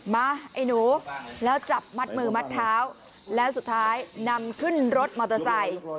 มาไอ้หนูแล้วจับมัดมือมัดเท้าแล้วสุดท้ายนำขึ้นรถมอเตอร์ไซค์